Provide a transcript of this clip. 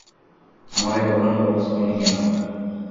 আমাকে কখনো প্রপোজ করোনি কেনো?